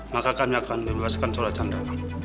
maka kami akan melepaskan seolah chandra pak